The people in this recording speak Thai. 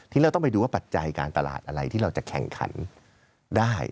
เราต้องไปดูว่าปัจจัยการตลาดอะไรที่เราจะแข่งขันได้